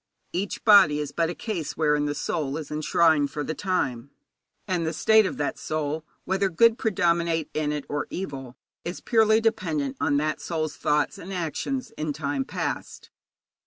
Each body is but a case wherein the soul is enshrined for the time. And the state of that soul, whether good predominate in it or evil, is purely dependent on that soul's thoughts and actions in time past.